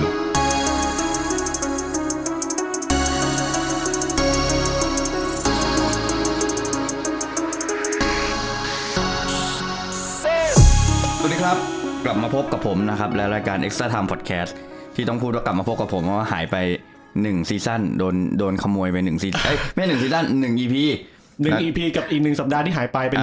สวัสดีครับกลับมาพบกับผมนะครับและรายการไทยรัฐพอดแคสต์ที่ต้องพูดว่ากลับมาพบกับผมว่าหายไป๑ปี๑สีส่อนโดนขโมยเป็น๒สัปดาห์